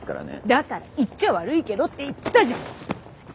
だから「言っちゃ悪いけど」って言ったじゃん。